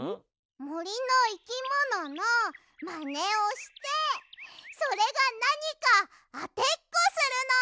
もりのいきもののマネをしてそれがなにかあてっこするの！